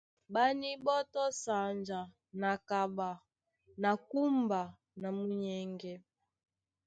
Ɓá níɓɔ́tɔ́ sanja na kaɓa na kúmba na munyɛŋgɛ.